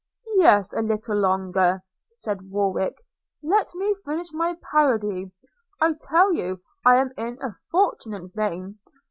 – 'Yes, a little longer,' said Warwick; 'let me finish my parody; I tell you I am in a fortunate vein.